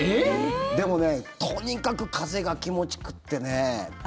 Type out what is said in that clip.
でもね、とにかく風が気持ちよくてね。